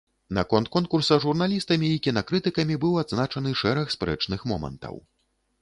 На конт конкурса журналістамі і кінакрытыкамі быў адзначаны шэраг спрэчных момантаў.